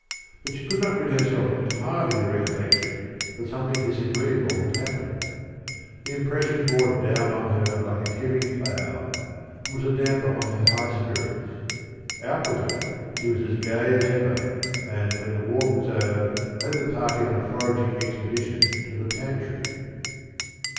But she could not rid herself entirely of the recollection that something disagreeable had happened. The impression bore down on her like a heavy cloud, and was a damper on her high spirits. Outwardly she was as gay as ever, and when the walk was over, led the party on a foraging expedition to the pantry.